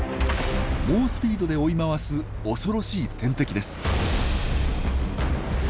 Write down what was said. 猛スピードで追い回す恐ろしい天敵です。